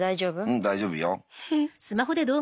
うん大丈夫よ。